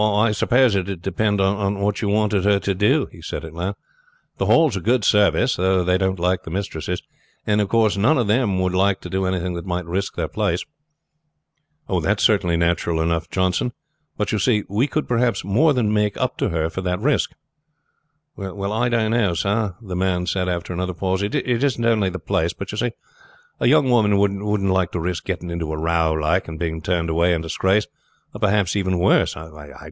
"I suppose it would depend on what you wanted her to do," he said at last. "The Hall is a good service, though they don't like the mistresses, and of course none of them would like to do anything that might risk their place." "That's natural enough, Johnson. But, you see, we could perhaps more than make up to her for that risk." "Well, I don't know, sir," the man said after another pause. "It isn't only the place; but, you see, a young woman wouldn't like to risk getting into a row like and being turned away in disgrace, or perhaps even worse.